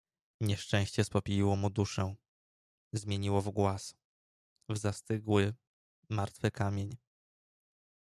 "Nieszczęście spopieliło mu duszę, zmieniło w głaz, w zastygły, martwy kamień."